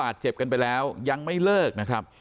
ท่านดูเหตุการณ์ก่อนนะครับ